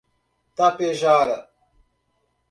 Tapejara